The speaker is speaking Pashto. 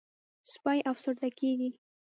سپي افسرده کېږي.